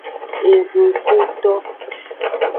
Ehunkuto.